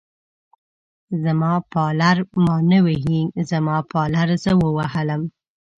زما پالر ما نه وهي، زما پالر زه ووهلم.